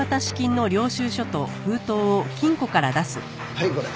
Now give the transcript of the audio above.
はいこれ。